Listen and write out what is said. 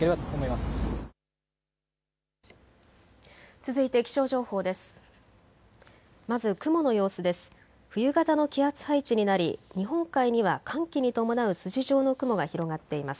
続いて気象情報です。